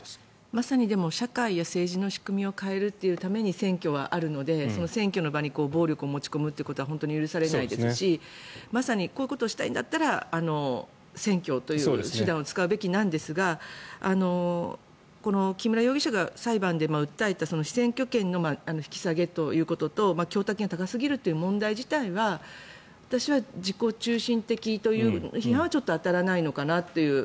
まさに社会や政治の仕組みを変えるというために選挙はあるのでその選挙の場に暴力を持ち込むということは本当に許されないですしまさにこういうことをしたいんだったら選挙という手段を使うべきなんですがこの木村容疑者が裁判で訴えた被選挙権の引き下げということと供託金が高すぎるという問題自体は私は自己中心的という批判は当たらないのかなと。